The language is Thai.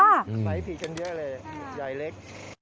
ไฟล์ผิดกันเยอะเลยใหญ่เล็ก